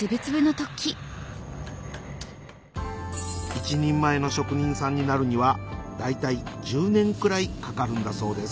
一人前の職人さんになるには大体１０年くらいかかるんだそうです